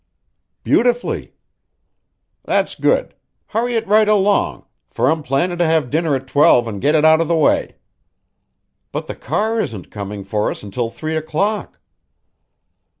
"Beautifully." "That's good. Hurry it right along, for I'm plannin' to have dinner at twelve an' get it out of the way." "But the car isn't coming for us until three o'clock."